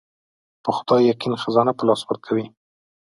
په خدای يقين خزانه په لاس ورکوي.